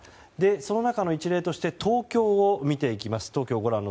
その中の一例として東京を見ていきます。